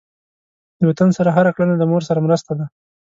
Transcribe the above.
د وطن سره هر کړنه د مور سره مرسته ده.